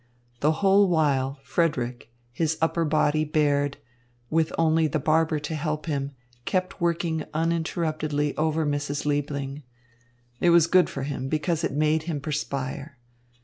The whole while Frederick, his upper body bared, with only the barber to help him, kept working uninterruptedly over Mrs. Liebling. It was good for him, because it made him perspire.